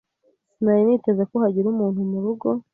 Sinari niteze ko hagira umuntu murugo.